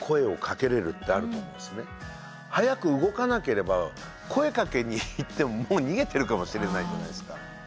早く動かなければ声かけに行ってももう逃げてるかもしれないじゃないですか。